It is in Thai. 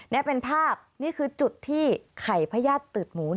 นี่เป็นภาพนี่คือจุดที่ไข่พญาติตืดหมู